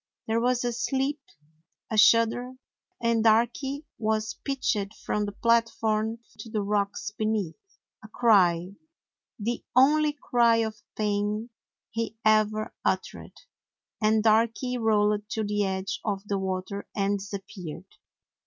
There was a slip, a shudder, and Darky was pitched from the platform to the rocks be neath. A cry — the only cry of pain he ever uttered, — and Darky rolled to the edge of the water and disappeared.